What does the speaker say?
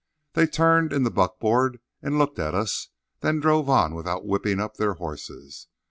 They turned in the buckboard and looked at us; then drove on without whipping up their horses.